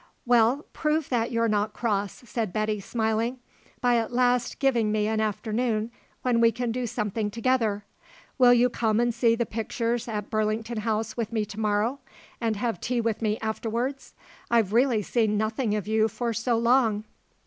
"Well, prove that you're not cross," said Betty, smiling, "by at last giving me an afternoon when we can do something together. Will you come and see the pictures at Burlington House with me to morrow and have tea with me afterwards? I've really seen nothing of you for so long."